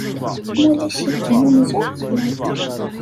Ma ulac-ikem, amzun xlan.